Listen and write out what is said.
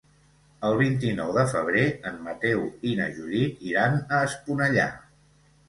El vint-i-nou de febrer en Mateu i na Judit iran a Esponellà.